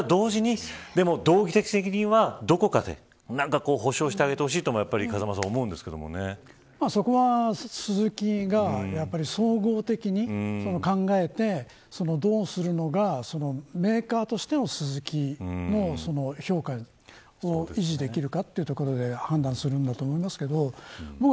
でも道義的責任はどこかで補償してあげてともそこは、スズキが総合的に考えてどうするのかメーカーとしてのスズキの評価を維持できるかというところで判断するんだと思いますけど。